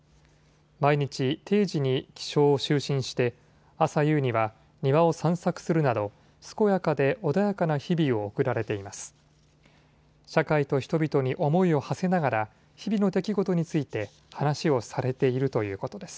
毎日、定時に起床・就寝して朝夕には庭を散策するなど健やかで穏やかな日々を送られています。